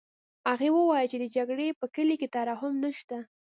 هغه وویل چې د جګړې په کلي کې ترحم نشته